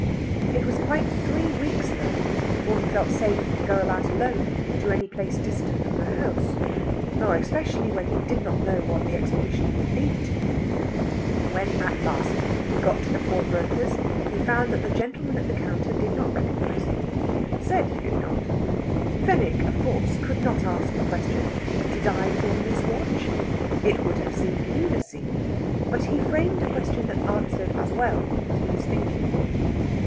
It was quite three weeks, though, before he felt safe to go about alone to any place distant from the house, more especially when he did not know what the expedition would lead to. When at last he got to the pawnbroker's, he found that that gentleman at the counter did not recognise him, or said he did not. Fenwick, of course, could not ask the question: "Did I pawn this watch?" It would have seemed lunacy. But he framed a question that answered as well, to his thinking.